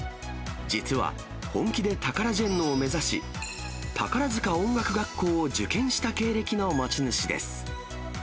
実は、本気でタカラジェンヌを目指し、宝塚音楽学校を受験した経歴の持ち主です。